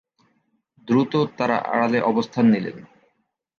দ্রুত তারা আড়ালে অবস্থান নিলেন।